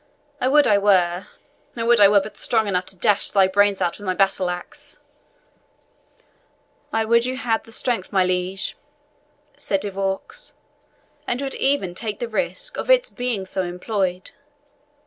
"I would I were I would I were but strong enough to dash thy brains out with my battle axe!" "I would you had the strength, my liege," said De Vaux, "and would even take the risk of its being so employed.